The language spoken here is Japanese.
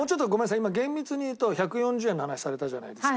今厳密に言うと１４０円の話されたじゃないですか。